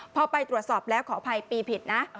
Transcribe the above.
พอไปตรวจสอบแล้วขออภัยปีผิดนะ